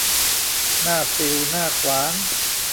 หน้าสิ่วหน้าขวาน